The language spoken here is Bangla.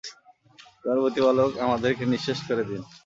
তোমার প্রতিপালক আমাদেরকে নিঃশেষ করে দিন!